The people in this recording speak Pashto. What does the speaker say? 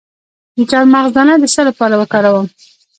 د چارمغز دانه د څه لپاره وکاروم؟